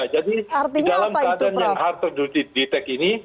jadi di dalam keadaan yang harder to detect ini